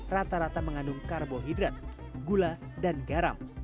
rata rata mengandung karbohidrat gula dan garam